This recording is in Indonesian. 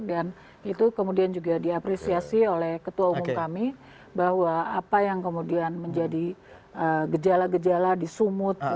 dan itu kemudian juga diapresiasi oleh ketua umum kami bahwa apa yang kemudian menjadi gejala gejala di sumut